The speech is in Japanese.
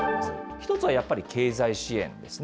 １つはやっぱり経済支援ですね。